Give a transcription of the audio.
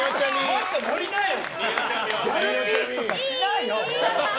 もっとノリなよ！